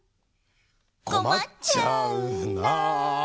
「こまっちゃうな」